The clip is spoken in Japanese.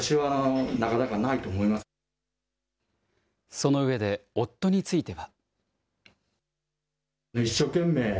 その上で、夫については。